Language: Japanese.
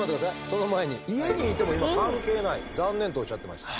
その前に「家にいても関係ない。残念」とおっしゃってました。